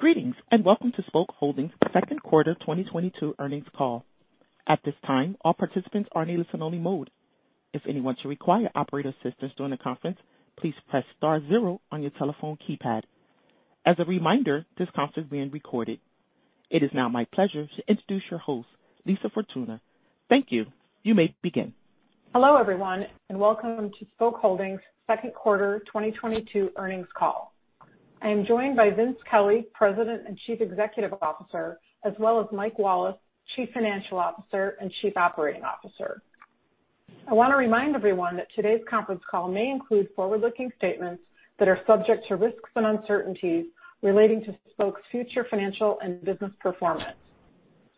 Greetings, and welcome to Spok Holdings second quarter 2022 earnings call. At this time, all participants are in a listen-only mode. If anyone should require operator assistance during the conference, please press star zero on your telephone keypad. As a reminder, this conference is being recorded. It is now my pleasure to introduce your host, Lisa Fortuna. Thank you. You may begin. Hello, everyone, and welcome to Spok Holdings second quarter 2022 earnings call. I am joined by Vince Kelly, President and Chief Executive Officer, as well as Mike Wallace, Chief Financial Officer and Chief Operating Officer. I wanna remind everyone that today's conference call may include forward-looking statements that are subject to risks and uncertainties relating to Spok's future financial and business performance.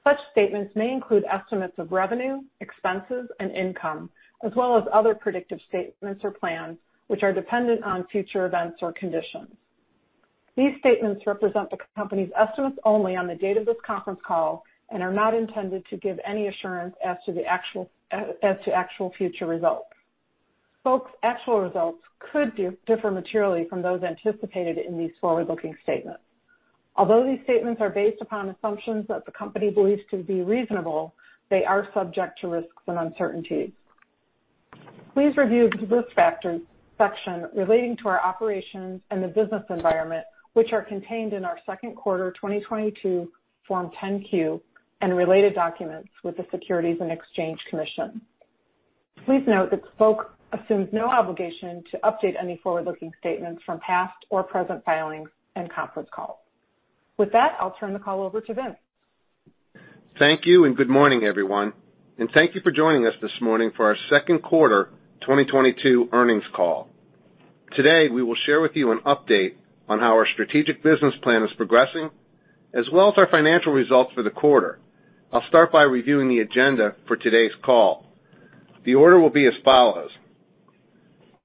Such statements may include estimates of revenue, expenses, and income, as well as other predictive statements or plans which are dependent on future events or conditions. These statements represent the company's estimates only on the date of this conference call and are not intended to give any assurance as to actual future results. Spok's actual results could differ materially from those anticipated in these forward-looking statements. Although these statements are based upon assumptions that the company believes to be reasonable, they are subject to risks and uncertainties. Please review the risk factors section relating to our operations and the business environment, which are contained in our second quarter 2022 Form 10-Q and related documents with the Securities and Exchange Commission. Please note that Spok assumes no obligation to update any forward-looking statements from past or present filings and conference calls. With that, I'll turn the call over to Vince. Thank you and good morning, everyone, and thank you for joining us this morning for our second quarter 2022 earnings call. Today, we will share with you an update on how our strategic business plan is progressing, as well as our financial results for the quarter. I'll start by reviewing the agenda for today's call. The order will be as follows.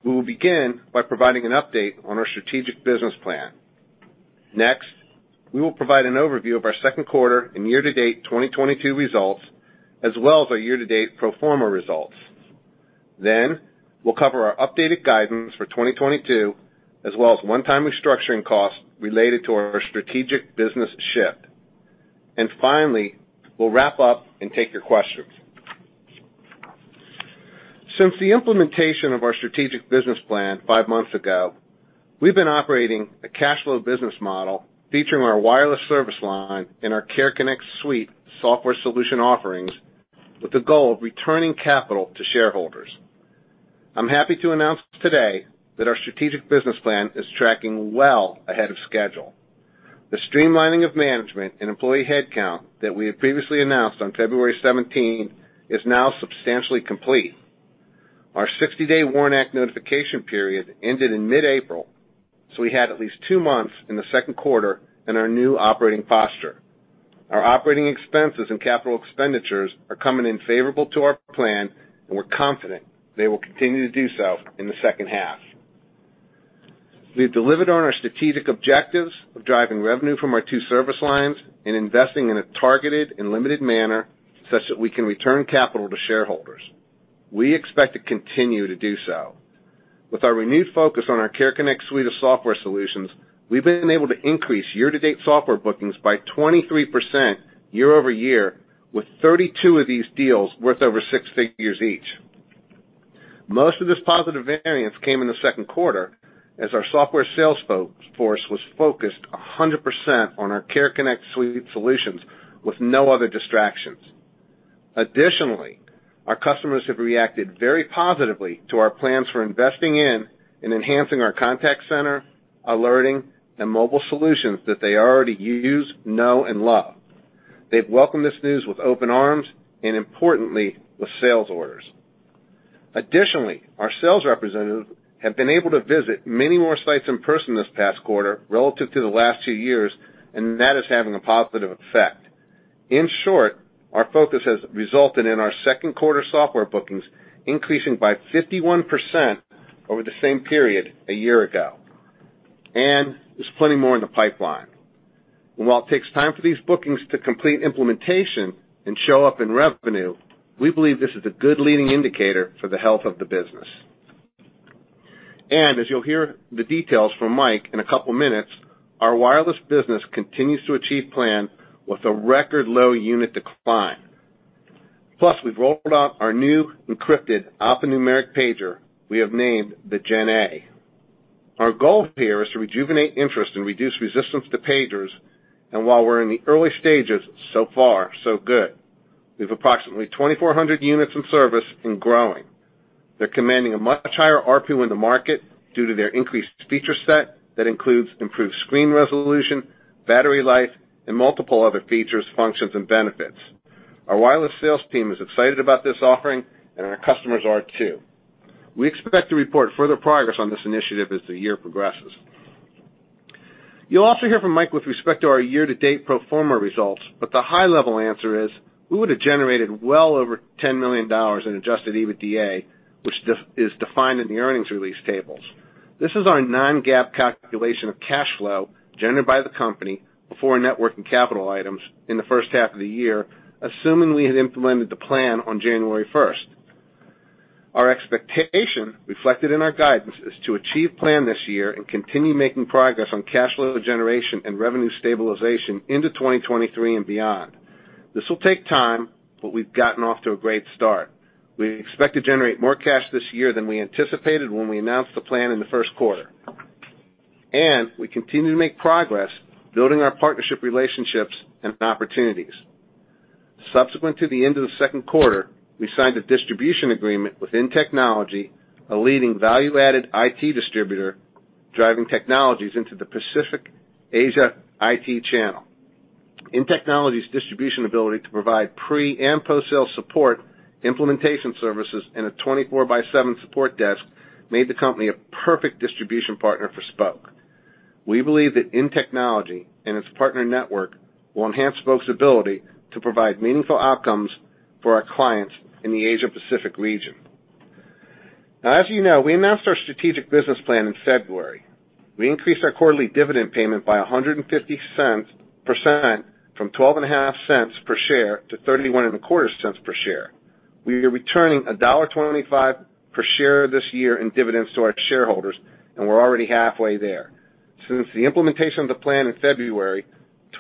We will begin by providing an update on our strategic business plan. Next, we will provide an overview of our second quarter and year-to-date 2022 results, as well as our year-to-date pro forma results. Then we'll cover our updated guidance for 2022, as well as one-time restructuring costs related to our strategic business shift. Finally, we'll wrap up and take your questions. Since the implementation of our strategic business plan five months ago, we've been operating a cash flow business model featuring our wireless service line and our Care Connect suite software solution offerings with the goal of returning capital to shareholders. I'm happy to announce today that our strategic business plan is tracking well ahead of schedule. The streamlining of management and employee headcount that we had previously announced on February 17 is now substantially complete. Our 60-day WARN Act notification period ended in mid-April, so we had at least two months in the second quarter in our new operating posture. Our operating expenses and capital expenditures are coming in favorable to our plan, and we're confident they will continue to do so in the second half. We've delivered on our strategic objectives of driving revenue from our two service lines and investing in a targeted and limited manner such that we can return capital to shareholders. We expect to continue to do so. With our renewed focus on our Spok Care Connect suite of software solutions, we've been able to increase year-to-date software bookings by 23% year-over-year, with 32 of these deals worth over six figures each. Most of this positive variance came in the second quarter as our software sales force was focused 100% on our Care Connect suite solutions with no other distractions. Additionally, our customers have reacted very positively to our plans for investing in and enhancing our contact center, alerting, and mobile solutions that they already use, know, and love. They've welcomed this news with open arms and importantly, with sales orders. Additionally, our sales representatives have been able to visit many more sites in person this past quarter relative to the last two years, and that is having a positive effect. In short, our focus has resulted in our second quarter software bookings increasing by 51% over the same period a year ago. There's plenty more in the pipeline. While it takes time for these bookings to complete implementation and show up in revenue, we believe this is a good leading indicator for the health of the business. As you'll hear the details from Mike in a couple minutes, our wireless business continues to achieve plan with a record low unit decline. Plus, we've rolled out our new encrypted alphanumeric pager we have named the GenA. Our goal here is to rejuvenate interest and reduce resistance to pagers. While we're in the early stages, so far, so good. We have approximately 2,400 units in service and growing. They're commanding a much higher ARPU in the market due to their increased feature set that includes improved screen resolution, battery life, and multiple other features, functions, and benefits. Our wireless sales team is excited about this offering, and our customers are too. We expect to report further progress on this initiative as the year progresses. You'll also hear from Mike with respect to our year-to-date pro forma results, but the high level answer is we would have generated well over $10 million in adjusted EBITDA, which is defined in the earnings release tables. This is our non-GAAP calculation of cash flow generated by the company before net working capital items in the first half of the year, assuming we had implemented the plan on January first. Our expectation reflected in our guidance is to achieve plan this year and continue making progress on cash flow generation and revenue stabilization into 2023 and beyond. This will take time, but we've gotten off to a great start. We expect to generate more cash this year than we anticipated when we announced the plan in the first quarter, and we continue to make progress building our partnership relationships and opportunities. Subsequent to the end of the second quarter, we signed a distribution agreement with inTechnology, a leading value-added IT distributor, driving technologies into the Asia Pacific IT channel. inTechnology's distribution ability to provide pre and post-sale support, implementation services, and a 24/7 support desk made the company a perfect distribution partner for Spok. We believe that inTechnology and its partner network will enhance Spok's ability to provide meaningful outcomes for our clients in the Asia Pacific region. Now, as you know, we announced our strategic business plan in February. We increased our quarterly dividend payment by 150% from $0.125 per share to $0.3125 per share. We are returning $1.25 per share this year in dividends to our shareholders, and we're already halfway there. Since the implementation of the plan in February,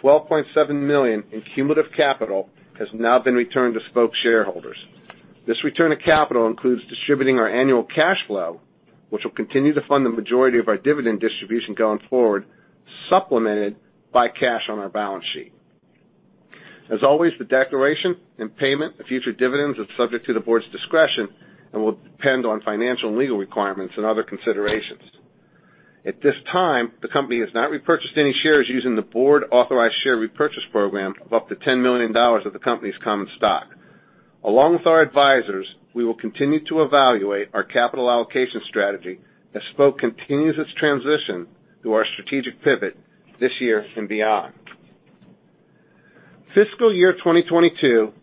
$12.7 million in cumulative capital has now been returned to Spok shareholders. This return of capital includes distributing our annual cash flow, which will continue to fund the majority of our dividend distribution going forward, supplemented by cash on our balance sheet. As always, the declaration and payment of future dividends is subject to the board's discretion and will depend on financial and legal requirements and other considerations. At this time, the company has not repurchased any shares using the board-authorized share repurchase program of up to $10 million of the company's common stock. Along with our advisors, we will continue to evaluate our capital allocation strategy as Spok continues its transition through our strategic pivot this year and beyond. Fiscal year 2022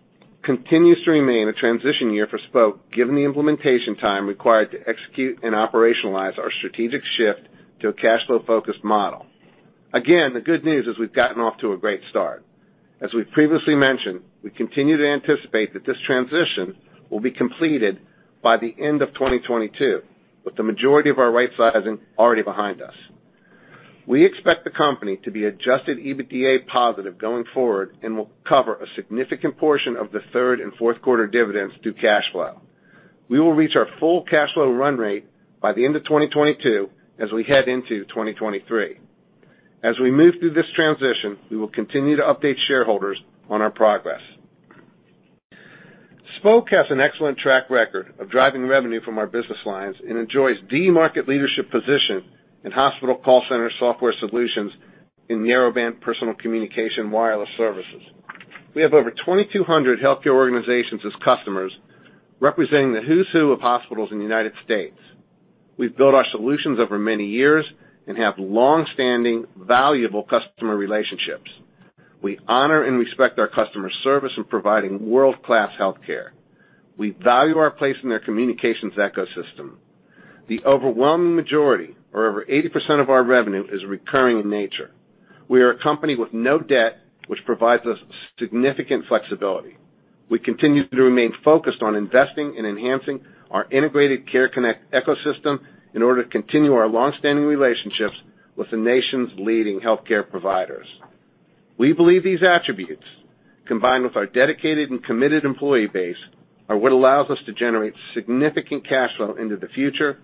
continues to remain a transition year for Spok, given the implementation time required to execute and operationalize our strategic shift to a cash flow-focused model. Again, the good news is we've gotten off to a great start. As we've previously mentioned, we continue to anticipate that this transition will be completed by the end of 2022, with the majority of our right-sizing already behind us. We expect the company to be adjusted EBITDA positive going forward and will cover a significant portion of the third and fourth quarter dividends through cash flow. We will reach our full cash flow run rate by the end of 2022 as we head into 2023. As we move through this transition, we will continue to update shareholders on our progress. Spok has an excellent track record of driving revenue from our business lines and enjoys the market leadership position in hospital call center software solutions in narrowband personal communication wireless services. We have over 2,200 healthcare organizations as customers, representing the who's who of hospitals in the United States. We've built our solutions over many years and have longstanding valuable customer relationships. We honor and respect our customer service in providing world-class healthcare. We value our place in their communications ecosystem. The overwhelming majority or over 80% of our revenue is recurring in nature. We are a company with no debt, which provides us significant flexibility. We continue to remain focused on investing and enhancing our integrated Care Connect ecosystem in order to continue our longstanding relationships with the nation's leading healthcare providers. We believe these attributes, combined with our dedicated and committed employee base, are what allows us to generate significant cash flow into the future and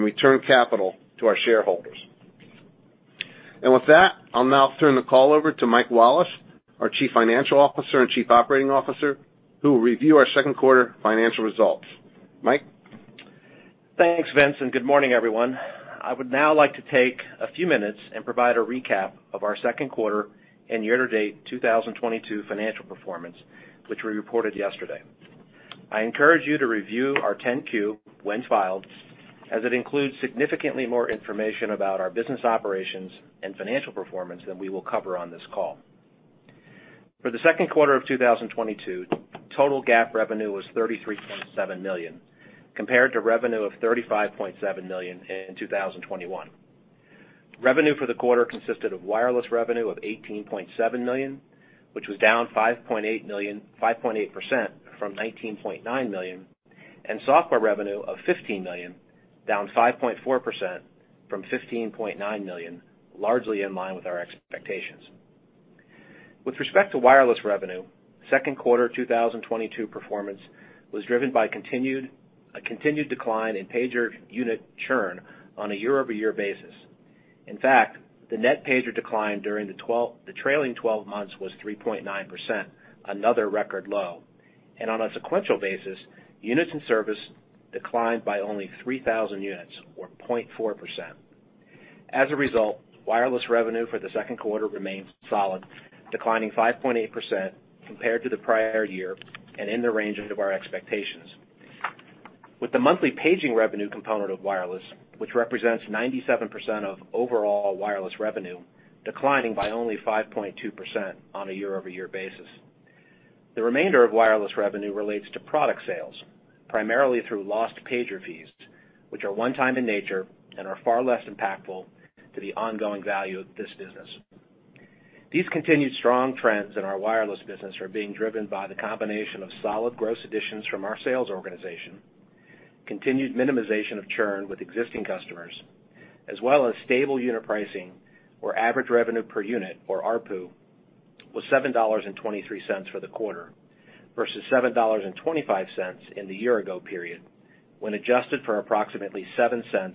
return capital to our shareholders. With that, I'll now turn the call over to Mike Wallace, our Chief Financial Officer and Chief Operating Officer, who will review our second quarter financial results. Mike? Thanks, Vince, and good morning, everyone. I would now like to take a few minutes and provide a recap of our second quarter and year-to-date 2022 financial performance, which we reported yesterday. I encourage you to review our 10-Q when filed, as it includes significantly more information about our business operations and financial performance than we will cover on this call. For the second quarter of 2022, total GAAP revenue was $33.7 million, compared to revenue of $35.7 million in 2021. Revenue for the quarter consisted of wireless revenue of $18.7 million, which was down 5.8% from $19.9 million, and software revenue of $15 million, down 5.4% from $15.9 million, largely in line with our expectations. With respect to wireless revenue, second quarter 2022 performance was driven by a continued decline in pager unit churn on a year-over-year basis. In fact, the net pager decline during the trailing twelve months was 3.9%, another record low. On a sequential basis, units in service declined by only 3,000 units or 0.4%. As a result, wireless revenue for the second quarter remains solid, declining 5.8% compared to the prior year and in the range of our expectations. With the monthly paging revenue component of wireless, which represents 97% of overall wireless revenue, declining by only 5.2% on a year-over-year basis. The remainder of wireless revenue relates to product sales, primarily through lost pager fees, which are one-time in nature and are far less impactful to the ongoing value of this business. These continued strong trends in our wireless business are being driven by the combination of solid gross additions from our sales organization, continued minimization of churn with existing customers, as well as stable unit pricing where average revenue per unit, or ARPU, was $7.23 for the quarter versus $7.25 in the year ago period when adjusted for approximately $0.07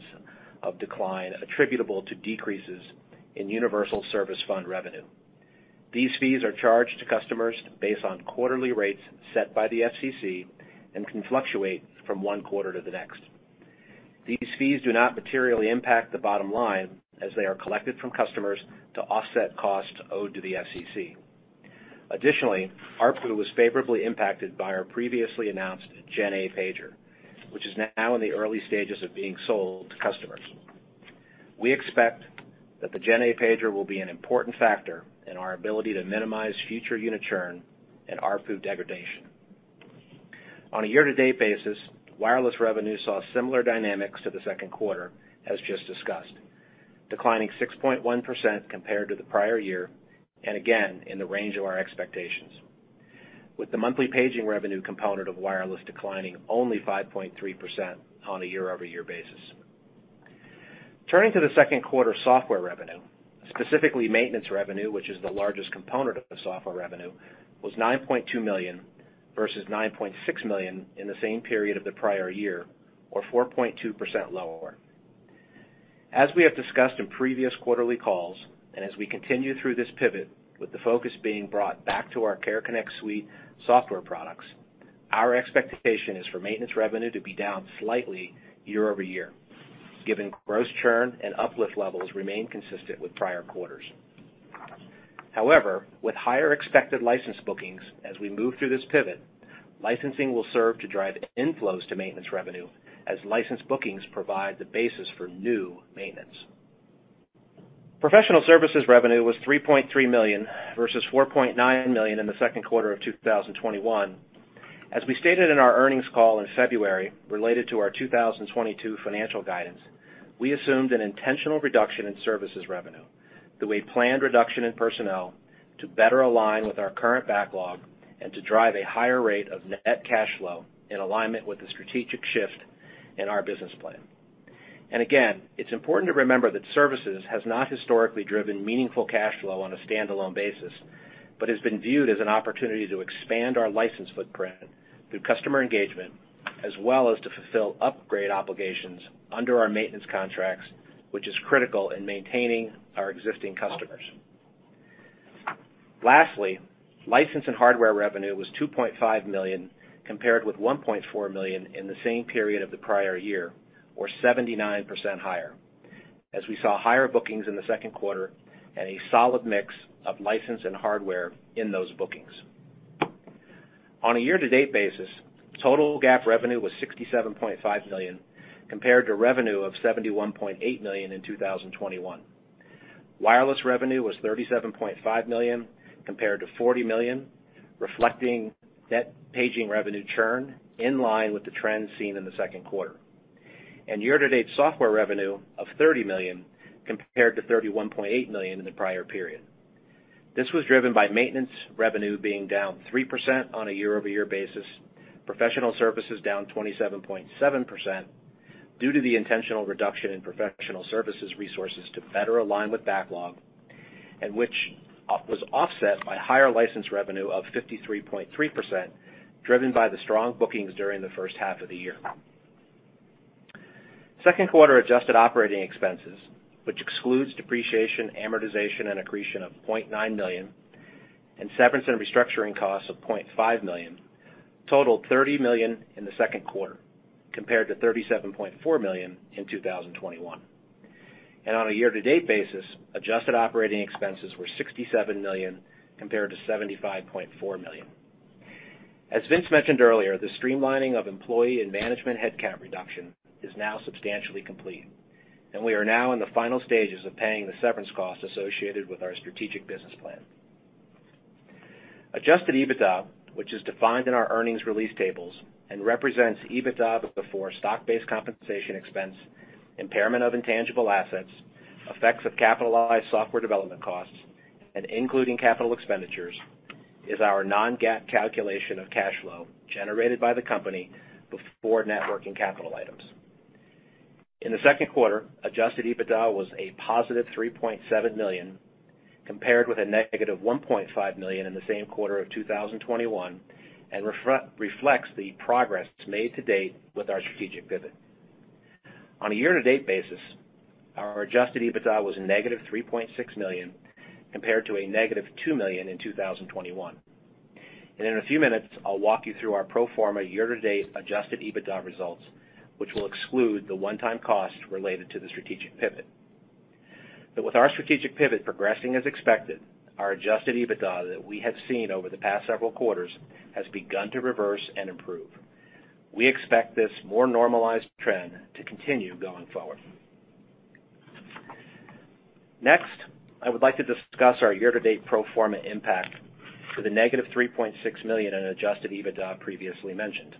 of decline attributable to decreases in Universal Service Fund revenue. These fees are charged to customers based on quarterly rates set by the FCC and can fluctuate from one quarter to the next. These fees do not materially impact the bottom line as they are collected from customers to offset costs owed to the FCC. Additionally, ARPU was favorably impacted by our previously announced Gen A pager, which is now in the early stages of being sold to customers. We expect that the Gen A pager will be an important factor in our ability to minimize future unit churn and ARPU degradation. On a year-to-date basis, wireless revenue saw similar dynamics to the second quarter as just discussed, declining 6.1% compared to the prior year, and again, in the range of our expectations, with the monthly paging revenue component of wireless declining only 5.3% on a year-over-year basis. Turning to the second quarter software revenue, specifically maintenance revenue, which is the largest component of the software revenue, was $9.2 million versus $9.6 million in the same period of the prior year, or 4.2% lower. We have discussed in previous quarterly calls, as we continue through this pivot with the focus being brought back to our Spok Care Connect suite software products, our expectation is for maintenance revenue to be down slightly year-over-year, given gross churn and uplift levels remain consistent with prior quarters. However, with higher expected license bookings as we move through this pivot, licensing will serve to drive inflows to maintenance revenue as license bookings provide the basis for new maintenance. Professional services revenue was $3.3 million versus $4.9 million in the second quarter of 2021. As we stated in our earnings call in February related to our 2022 financial guidance, we assumed an intentional reduction in services revenue through a planned reduction in personnel to better align with our current backlog and to drive a higher rate of net cash flow in alignment with the strategic shift in our business plan. Again, it's important to remember that services has not historically driven meaningful cash flow on a standalone basis, but has been viewed as an opportunity to expand our license footprint through customer engagement, as well as to fulfill upgrade obligations under our maintenance contracts, which is critical in maintaining our existing customers. Lastly, license and hardware revenue was $2.5 million, compared with $1.4 million in the same period of the prior year, or 79% higher, as we saw higher bookings in the second quarter and a solid mix of license and hardware in those bookings. On a year-to-date basis, total GAAP revenue was $67.5 million, compared to revenue of $71.8 million in 2021. Wireless revenue was $37.5 million compared to $40 million, reflecting net paging revenue churn in line with the trends seen in the second quarter. Year-to-date software revenue of $30 million compared to $31.8 million in the prior period. This was driven by maintenance revenue being down 3% on a year-over-year basis, professional services down 27.7% due to the intentional reduction in professional services resources to better align with backlog, and was offset by higher license revenue of 53.3%, driven by the strong bookings during the first half of the year. Second quarter adjusted operating expenses, which excludes depreciation, amortization, and accretion of $0.9 million and severance and restructuring costs of $0.5 million, totaled $30 million in the second quarter compared to $37.4 million in 2021. On a year-to-date basis, adjusted operating expenses were $67 million compared to $75.4 million. As Vince mentioned earlier, the streamlining of employee and management headcount reduction is now substantially complete, and we are now in the final stages of paying the severance cost associated with our strategic business plan. Adjusted EBITDA, which is defined in our earnings release tables and represents EBITDA before stock-based compensation expense, impairment of intangible assets, effects of capitalized software development costs, and including capital expenditures, is our non-GAAP calculation of cash flow generated by the company before net working capital items. In the second quarter, adjusted EBITDA was a positive $3.7 million, compared with a negative $1.5 million in the same quarter of 2021, and reflects the progress made to date with our strategic pivot. On a year-to-date basis, our adjusted EBITDA was negative $3.6 million compared to a negative $2 million in 2021. In a few minutes, I'll walk you through our pro forma year-to-date adjusted EBITDA results, which will exclude the one-time costs related to the strategic pivot. With our strategic pivot progressing as expected, our adjusted EBITDA that we have seen over the past several quarters has begun to reverse and improve. We expect this more normalized trend to continue going forward. Next, I would like to discuss our year-to-date pro forma impact for the negative $3.6 million in adjusted EBITDA previously mentioned.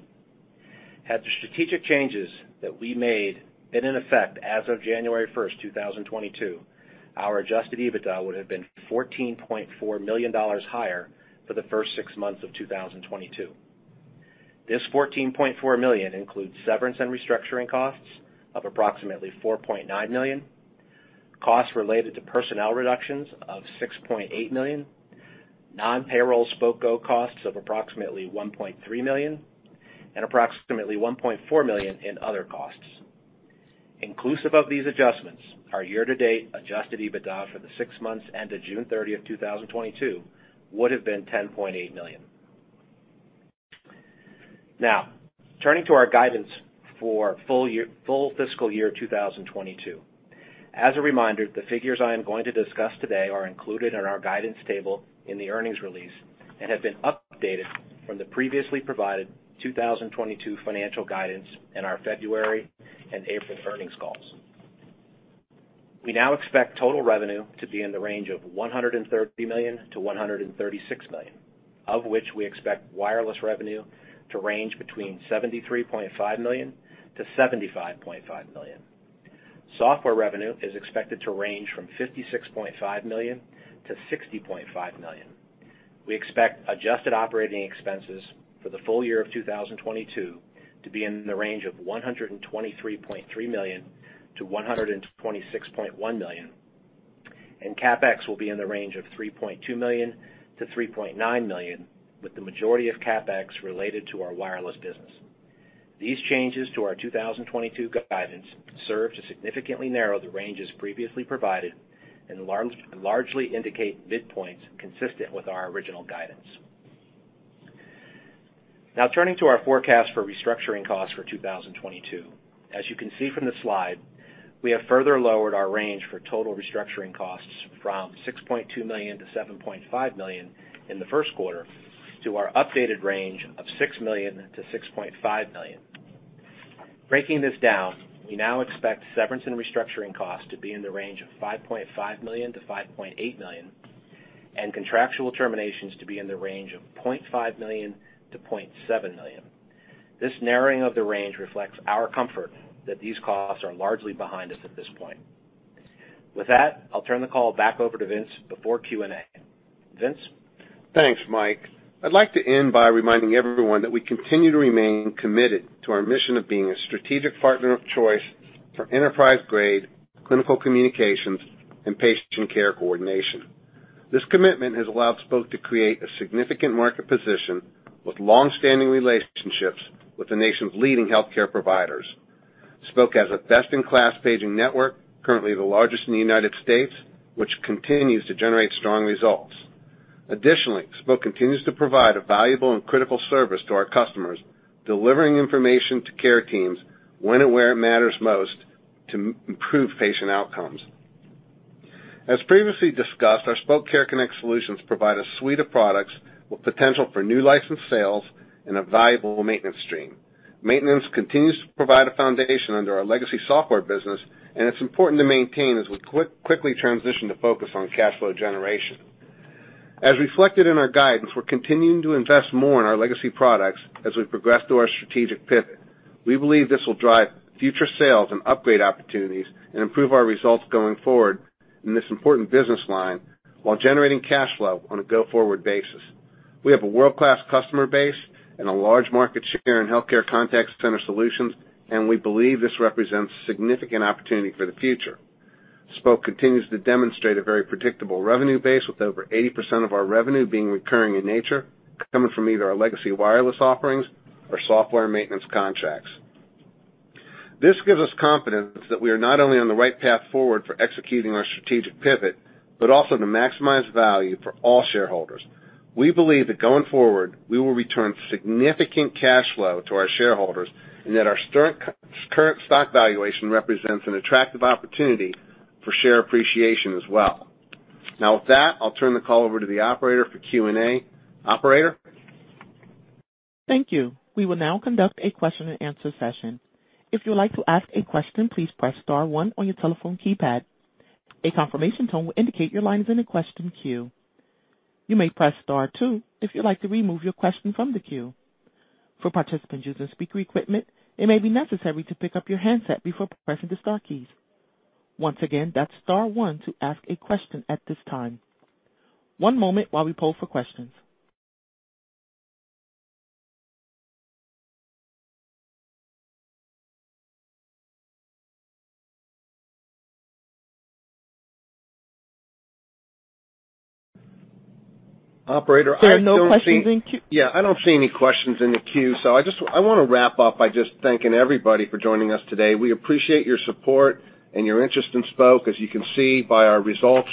Had the strategic changes that we made been in effect as of January 1st, 2022, our adjusted EBITDA would have been $14.4 million higher for the first six months of 2022. This $14.4 million includes severance and restructuring costs of approximately $4.9 million, costs related to personnel reductions of $6.8 million, non-payroll Spok Go costs of approximately $1.3 million, and approximately $1.4 million in other costs. Inclusive of these adjustments, our year-to-date adjusted EBITDA for the six months ended June 30, 2022 would have been $10.8 million. Now, turning to our guidance for full fiscal year 2022. As a reminder, the figures I am going to discuss today are included in our guidance table in the earnings release and have been updated from the previously provided 2022 financial guidance in our February and April earnings calls. We now expect total revenue to be in the range of $130 million-$136 million, of which we expect wireless revenue to range between $73.5 million-$75.5 million. Software revenue is expected to range from $56.5 million-$60.5 million. We expect adjusted operating expenses for the full year of 2022 to be in the range of $123.3 million-$126.1 million, and CapEx will be in the range of $3.2 million-$3.9 million, with the majority of CapEx related to our wireless business. These changes to our 2022 guidance serve to significantly narrow the ranges previously provided and largely indicate midpoints consistent with our original guidance. Now turning to our forecast for restructuring costs for 2022. As you can see from the slide, we have further lowered our range for total restructuring costs from $6.2 million to $7.5 million in the first quarter to our updated range of $6 million-$6.5 million. Breaking this down, we now expect severance and restructuring costs to be in the range of $5.5 million-$5.8 million, and contractual terminations to be in the range of $0.5 million-$0.7 million. This narrowing of the range reflects our comfort that these costs are largely behind us at this point. With that, I'll turn the call back over to Vince before Q&A. Vince? Thanks, Mike. I'd like to end by reminding everyone that we continue to remain committed to our mission of being a strategic partner of choice for enterprise-grade clinical communications and patient care coordination. This commitment has allowed Spok to create a significant market position with long-standing relationships with the nation's leading healthcare providers. Spok has a best-in-class paging network, currently the largest in the United States, which continues to generate strong results. Additionally, Spok continues to provide a valuable and critical service to our customers, delivering information to care teams when and where it matters most to improve patient outcomes. As previously discussed, our Spok Care Connect solutions provide a suite of products with potential for new licensed sales and a valuable maintenance stream. Maintenance continues to provide a foundation under our legacy software business, and it's important to maintain as we quickly transition to focus on cash flow generation. As reflected in our guidance, we're continuing to invest more in our legacy products as we progress through our strategic pivot. We believe this will drive future sales and upgrade opportunities and improve our results going forward in this important business line while generating cash flow on a go-forward basis. We have a world-class customer base and a large market share in healthcare contact center solutions, and we believe this represents significant opportunity for the future. Spok continues to demonstrate a very predictable revenue base, with over 80% of our revenue being recurring in nature, coming from either our legacy wireless offerings or software maintenance contracts. This gives us confidence that we are not only on the right path forward for executing our strategic pivot, but also to maximize value for all shareholders. We believe that going forward, we will return significant cash flow to our shareholders and that our current stock valuation represents an attractive opportunity for share appreciation as well. Now, with that, I'll turn the call over to the operator for Q&A. Operator? Thank you. We will now conduct a question-and-answer session. If you would like to ask a question, please press star one on your telephone keypad. A confirmation tone will indicate your line is in a question queue. You may press star two if you'd like to remove your question from the queue. For participants using speaker equipment, it may be necessary to pick up your handset before pressing the star keys. Once again, that's star one to ask a question at this time. One moment while we poll for questions. Operator, I don't see- There are no questions in queue. Yeah, I don't see any questions in the queue, so I wanna wrap up by just thanking everybody for joining us today. We appreciate your support and your interest in Spok. As you can see by our results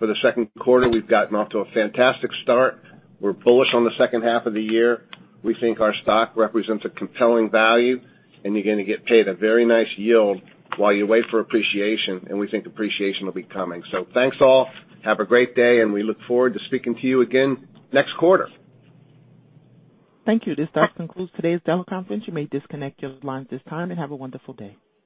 for the second quarter, we've gotten off to a fantastic start. We're bullish on the second half of the year. We think our stock represents a compelling value, and you're gonna get paid a very nice yield while you wait for appreciation, and we think appreciation will be coming. Thanks, all. Have a great day, and we look forward to speaking to you again next quarter. Thank you. This does conclude today's teleconference. You may disconnect your lines at this time and have a wonderful day.